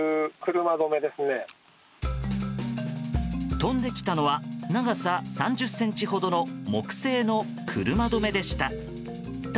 飛んできたのは長さ３０ｃｍほどの木製の車止めでした。